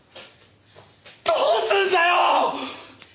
どうすんだよ！？